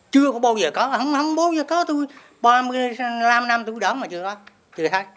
chưa có bao giờ có không bao giờ có tôi ba mươi năm năm tuổi đỏ mà chưa có